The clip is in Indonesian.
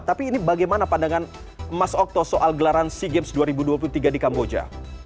tapi ini bagaimana pandangan mas okto soal gelaran sea games dua ribu dua puluh tiga di kamboja